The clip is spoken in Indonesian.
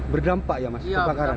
berdampak ya mas kebakaran